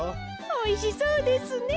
おいしそうですね。